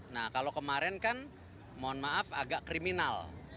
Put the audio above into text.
nah kalau kemarin kan mohon maaf agak kriminal